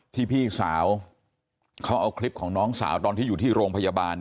พี่สาวเขาเอาคลิปของน้องสาวตอนที่อยู่ที่โรงพยาบาล